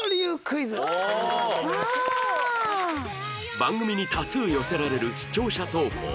番組に多数寄せられる視聴者投稿